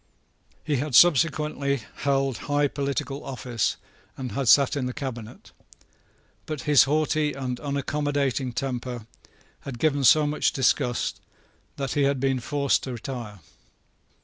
He had subsequently held high political office, and had sate in the Cabinet. But his haughty and unaccommodating temper had given so much disgust that he had been forced to retire.